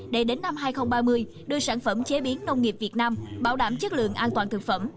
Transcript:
để đến năm hai nghìn ba mươi đưa sản phẩm chế biến nông nghiệp việt nam bảo đảm chất lượng an toàn thực phẩm